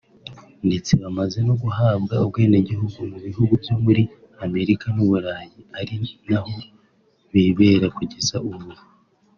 ndetse bamaze no guhabwa ubwenegihugu mu bihugu byo muri Amerika n’u Burayi ari naho bibera kugeza ubu